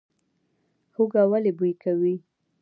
هوږه ولې بوی کوي؟